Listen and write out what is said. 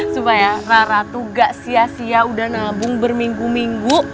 supaya rara tuh gak sia sia udah nabung berminggu minggu